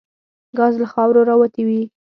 ګاز له خاورو راوتي دي.